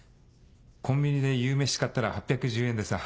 コンビニで夕飯買ったら８１０円でさ。